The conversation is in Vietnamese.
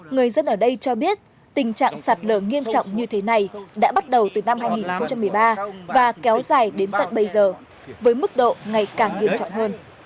người dân ở đây cho biết tình trạng sạt lở nghiêm trọng như thế này đã bắt đầu từ năm hai nghìn một mươi ba và kéo dài đến tận bây giờ với mức độ ngày càng nghiêm trọng hơn